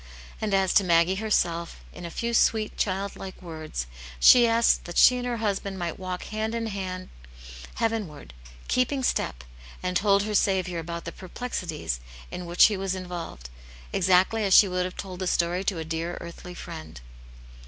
And as to Maggie herself, in a few sweet child like words, she asked that she and her husband might Tralk hand in hand heavenward, keeping step^ ond told her Saviour about ttve p^T^\^^\\\^'& va^VikJv Aunt Jane's Hero. iig he was involved, exactly as she would have told the « story to a dear earthly friend.